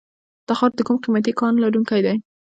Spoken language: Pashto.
تخار د کوم قیمتي کان لرونکی دی؟